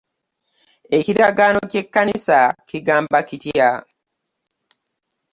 Ekiragaano ky'ekkanisa kigamba kitya?